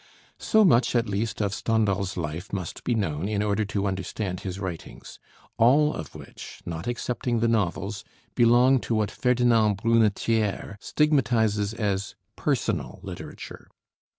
So much at least of Stendhal's life must be known in order to understand his writings; all of which, not excepting the novels, belong to what Ferdinand Brunetière stigmatizes as "personal literature."